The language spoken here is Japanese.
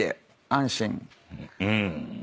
うん。